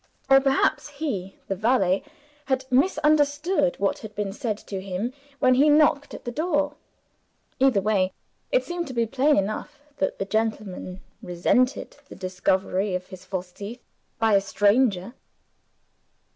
Or perhaps he (the valet) had misunderstood what had been said to him when he knocked at the door. Either way, it seemed to be plain enough that the gentleman resented the discovery of his false teeth by a stranger.